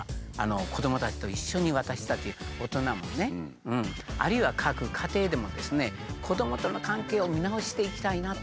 子どもたちと一緒に私たち大人もねあるいは各家庭でもですね子どもとの関係を見直していきたいな。